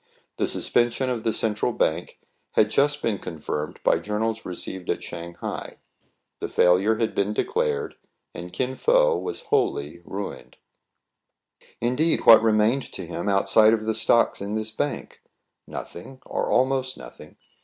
The suspension of the Central Bank had just been confirmed by journals received at Shang hai. The failure had been declared, and Kin Fo was wholly ruined. 70 TRIBULATIONS OF A CHINAMAN, Indeed, what remained to him outside of the stocks in this bank ? Nothing, or almost nothing.